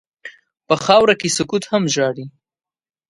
په خاوره کې سکوت هم ژاړي.